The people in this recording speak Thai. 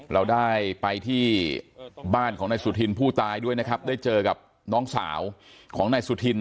เราได้ไปที่บ้านของนายสุธินผู้ตายด้วยนะครับได้เจอกับน้องสาวของนายสุธิน